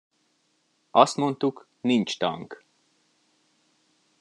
Azt mondtuk, nincs tank!